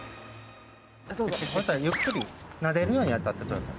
そしたらゆっくりなでるようにあたってください